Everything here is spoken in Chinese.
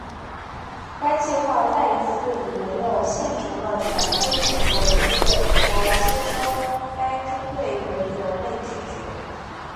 该计划再一次以没有现成的全非裔美国人部队来接收该中队为由被拒绝。